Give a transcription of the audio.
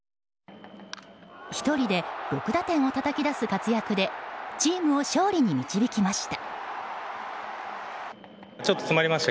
１人で６打点をたたき出す活躍でチームを勝利に導きました。